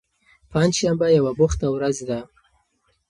پنجشنبه یوه بوخته ورځ ده.